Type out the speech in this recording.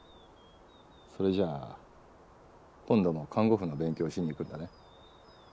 それじゃ今度も看護婦の勉強をしに行くんだね。